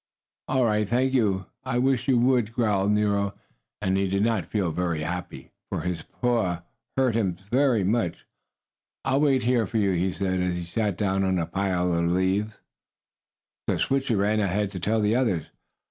"All right, thank you, I wish you would," growled Nero, and he did not feel very happy, for his paw hurt him very much. "I'll wait here for you," he said, as he sat down on a pile of leaves. So Switchie ran on ahead to tell the others.